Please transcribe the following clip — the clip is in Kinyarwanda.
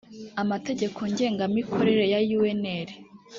amategeko ngengamikorere ya unr